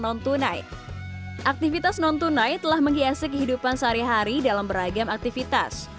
non tunai aktivitas non tunai telah menghiasi kehidupan sehari hari dalam beragam aktivitas